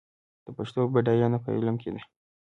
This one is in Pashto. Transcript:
د پښتو بډاینه په علم کې ده.